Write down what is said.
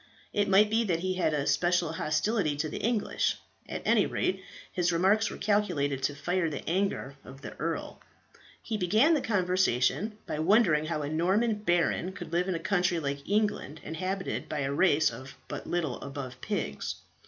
It might be that he had a special hostility to the English. At any rate, his remarks were calculated to fire the anger of the earl. He began the conversation by wondering how a Norman baron could live in a country like England, inhabited by a race but little above pigs.